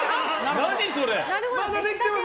何それ！